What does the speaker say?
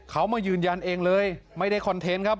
เขามายืนยันเองเลยไม่ได้คอนเทนต์ครับ